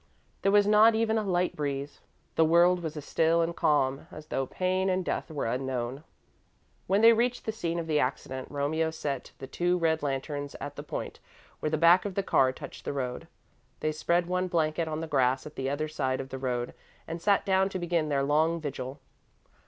There was not even a light breeze the world was as still and calm as though pain and death were unknown. When they reached the scene of the accident, Romeo set the two red lanterns at the point where the back of the car touched the road. They spread one blanket on the grass at the other side of the road and sat down to begin their long vigil.